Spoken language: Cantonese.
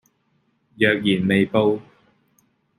若然未報